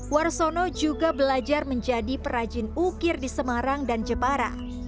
warsono juga belajar menjadi perajin ukir di semarang dan jepara